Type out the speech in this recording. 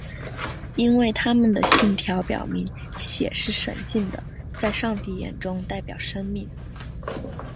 因为他们的信条表明血是神性的在上帝眼中代表生命。